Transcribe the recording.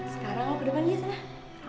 sekarang lo ke depan iya sana